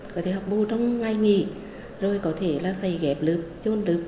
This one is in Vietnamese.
có thể học bù trong ngay nghỉ rồi có thể là phải ghẹp lượp trôn lượp